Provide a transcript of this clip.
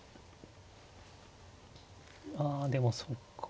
ああでもそっか。